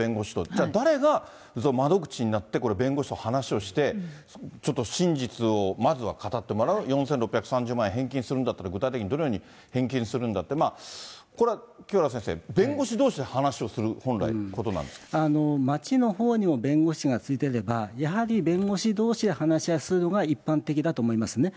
じゃあ、誰が窓口になって、これ、弁護士と話をして、ちょっと真実をまずは語ってもらう、４６３０万円を返金するんだったら、具体的にどのように返金するんだって、これ、清原先生、弁護士どうしで話をする、本来、町のほうにも弁護士がついてれば、やはり弁護士どうしで話し合いするのが一般的だと思いますね。